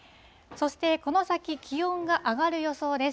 そしてこの先、気温が上がる予想です。